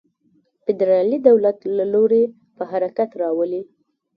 فدرالي دولت له لوري په حرکت راولي.